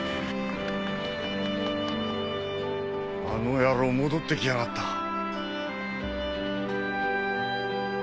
あの野郎戻って来やがった。